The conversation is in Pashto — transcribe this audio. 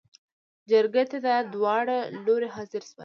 جرګې ته داوړه لورې حاضر شول.